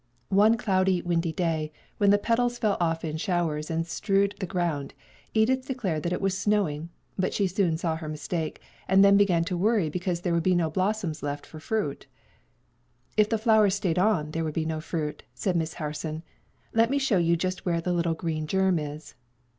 One cloudy, windy day, when the petals fell off in showers and strewed the ground, Edith declared that it was snowing; but she soon saw her mistake, and then began to worry because there would be no blossoms left for fruit. "If the flowers stayed on, there would be no fruit," said Miss Harson. "Let me show you just where the little green germ is."